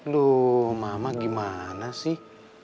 loh mama gimana sih